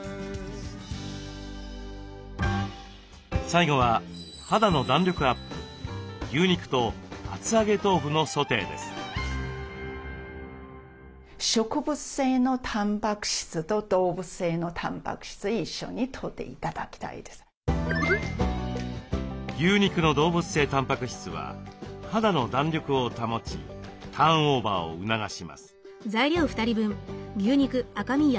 最後は牛肉の動物性たんぱく質は肌の弾力を保ちターンオーバーを促します。